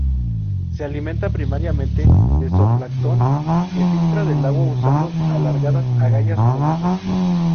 Se alimenta primariamente de zooplancton que filtra del agua usando alargadas agallas plumosas.